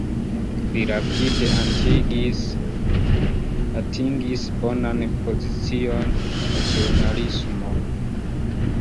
Li rapide atingis bonan pozicion en ĵurnalismo.